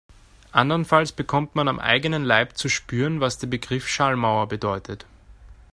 Andernfalls bekommt man am eigenen Leib zu spüren, was der Begriff Schallmauer bedeutet.